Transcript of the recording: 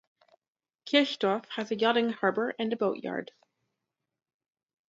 Kirchdorf has a yachting harbour and a boatyard.